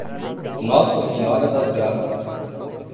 Nossa Senhora das Graças